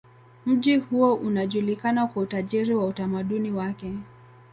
Mji huo unajulikana kwa utajiri wa utamaduni wake.